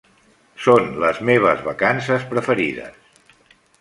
Són les meves vacances preferides.